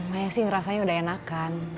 saya sih ngerasanya udah enakan